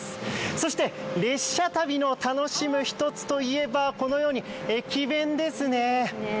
そして列車旅の楽しみの１つとしてはこのように駅弁ですね。